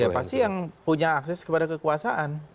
ya pasti yang punya akses kepada kekuasaan